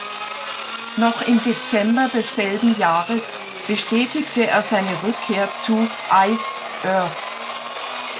Noch im Dezember desselben Jahres bestätigte er seine Rückkehr zu Iced Earth.